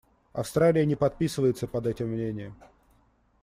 Австралия не подписывается под этим мнением.